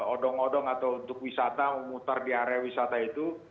odong odong atau untuk wisata memutar di area wisata itu